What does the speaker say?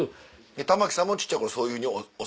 玉木さんも小っちゃい頃そういうふうに教わった？